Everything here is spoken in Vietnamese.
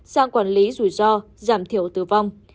sang quản lý rủi ro giảm thiểu tử vong